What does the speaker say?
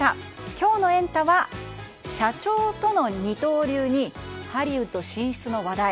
今日のエンタ！は社長との二刀流にハリウッド進出の話題。